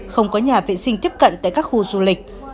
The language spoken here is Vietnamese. không có nhà vệ sinh tiếp cận tại các khu du lịch